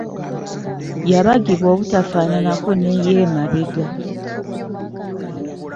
Yabagibwa obutafaananako n'ey’emabega.